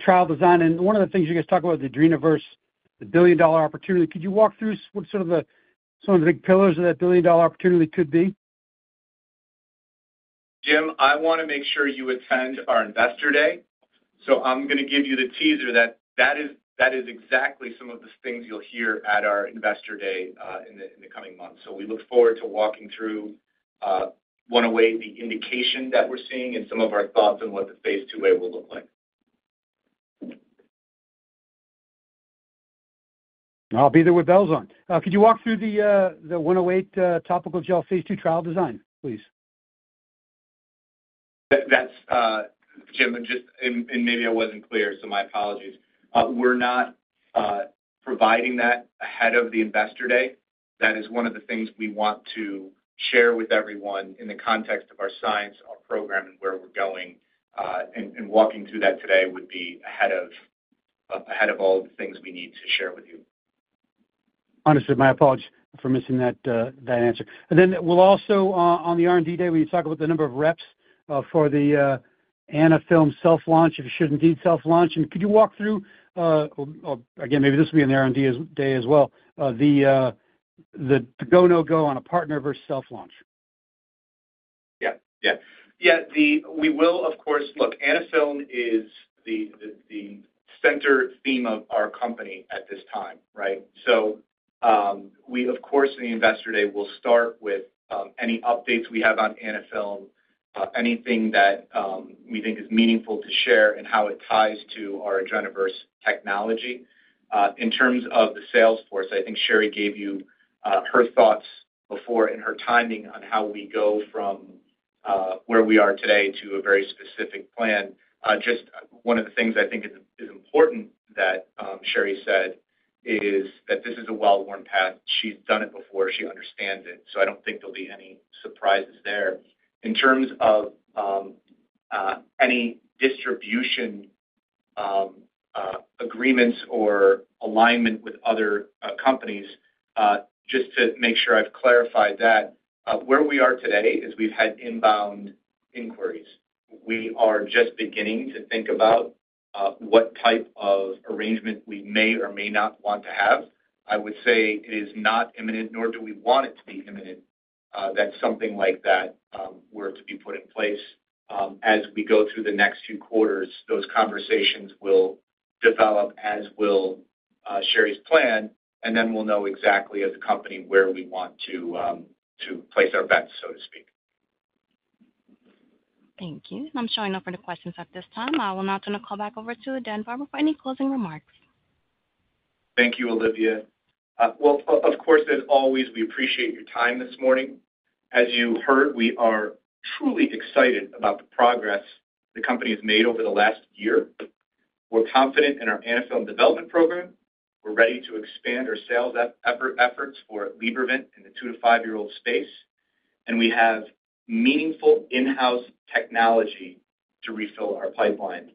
[SPEAKER 15] trial design? And one of the things you guys talked about, the Adrenoverse, the billion-dollar opportunity. Could you walk through what sort of some of the big pillars of that billion-dollar opportunity could be?
[SPEAKER 3] Jim, I want to make sure you attend our investor day. So I'm going to give you the teaser that that is exactly some of the things you'll hear at our investor day in the coming months. So we look forward to walking through 108, the indication that we're seeing, and some of our thoughts on what the Phase II wave will look like.
[SPEAKER 15] I'll be there with bells on. Could you walk through the 108 topical gel Phase II trial design, please?
[SPEAKER 3] Jim, just maybe I wasn't clear, so my apologies. We're not providing that ahead of the investor day. That is one of the things we want to share with everyone in the context of our science, our program, and where we're going. And walking through that today would be ahead of all the things we need to share with you.
[SPEAKER 15] Understood. My apologies for missing that answer. And then we'll also, on the R&D day, we talk about the number of reps for the Anaphylm self-launch, if it should indeed self-launch. And could you walk through, again, maybe this will be an R&D day as well, the go, no-go on a partner versus self-launch?
[SPEAKER 3] Yeah. Yeah. Yeah. We will, of course. Look, Anaphylm is the center theme of our company at this time, right? So we, of course, in the investor day, will start with any updates we have on Anaphylm, anything that we think is meaningful to share, and how it ties to our Adrenoverse technology. In terms of the sales force, I think Sherry gave you her thoughts before and her timing on how we go from where we are today to a very specific plan. Just one of the things I think is important that Sherry said is that this is a well-worn path. She's done it before. She understands it. So I don't think there'll be any surprises there. In terms of any distribution agreements or alignment with other companies, just to make sure I've clarified that, where we are today is we've had inbound inquiries. We are just beginning to think about what type of arrangement we may or may not want to have. I would say it is not imminent, nor do we want it to be imminent, that something like that were to be put in place. As we go through the next two quarters, those conversations will develop as will Sherry's plan, and then we'll know exactly as a company where we want to place our bets, so to speak.
[SPEAKER 1] Thank you. I'm showing no further questions at this time. I will now turn the call back over to Dan Barber for any closing remarks.
[SPEAKER 3] Thank you, Olivia. Well, of course, as always, we appreciate your time this morning. As you heard, we are truly excited about the progress the company has made over the last year. We're confident in our Anaphylm development program. We're ready to expand our sales efforts for Libervant in the 2 to 5-year-old space, and we have meaningful in-house technology to refill our pipeline.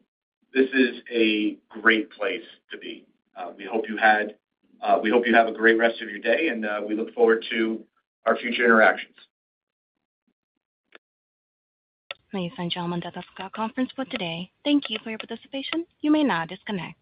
[SPEAKER 3] This is a great place to be. We hope you have a great rest of your day, and we look forward to our future interactions.
[SPEAKER 1] Thank you for joining the teleconference for today. Thank you for your participation. You may now disconnect.